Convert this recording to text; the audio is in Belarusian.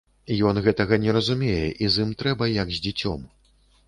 Ён гэтага не разумее і з ім трэба як з дзіцём.